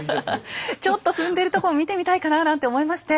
ちょっと踏んでるとこを見てみたいかななんて思いまして。